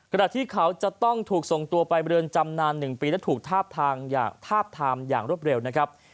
ขณะที่เขาจะต้องถูกส่งตัวไปบริเวณจำนาน๑ปีและถูกทาบทามอย่างรวดเร็วนะครับ